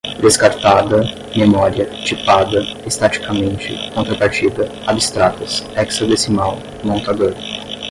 descartada, memória, tipada, estaticamente, contrapartida, abstratas, hexadecimal, montador